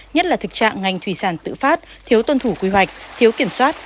nhất là thực trạng ngành thủy sản tự phát thiếu tuân thủ quy hoạch thiếu kiểm soát